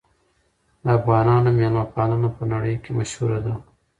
د افغانانو مېلمه پالنه په نړۍ کې مشهوره ده.